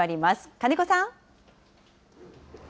金子さん。